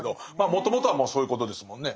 もともとはもうそういうことですもんね。